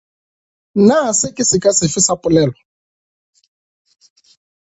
Na se ke seka sefe sa polelo?